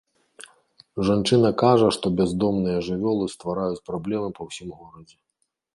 Жанчына кажа, што бяздомныя жывёлы ствараюць праблемы па ўсім горадзе.